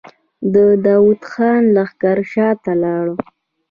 د داوود خان لښکر شاته لاړ.